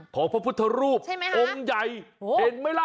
พระพุทธรูปองค์ใหญ่เห็นไหมล่ะ